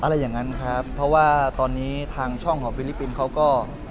อะไรอย่างนั้นครับเพราะว่าตอนนี้ทางช่องของฟิลิปปินส์เขาก็